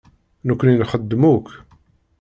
Nekkni nxeddem akk.